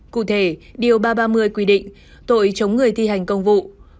cụ thể điều ba trăm ba mươi quy định tội chống người thi hành công vụ